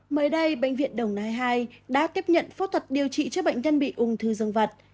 mới đây bệnh viện đồng nai hai đã tiếp nhận phẫu thuật điều trị cho bệnh nhân bị ung thư dân vật